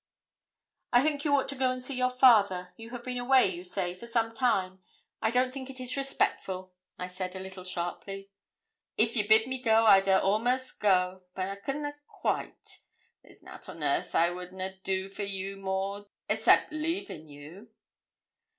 'I think you ought to go and see your father; you have been away, you say, some time. I don't think it is respectful,' I said, a little sharply. 'If ye bid me go I'd a'most go, but I could na quite; there's nout on earth I would na do for you, Maud, excep' leaving you.'